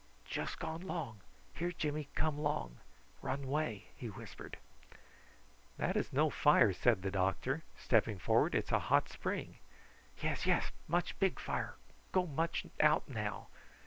"Jus' gone long. Hear Jimmy come long. Run away," he whispered. "That is no fire," said the doctor, stepping forward. "It is a hot spring." "Yes, yes, much big fire; go much out now.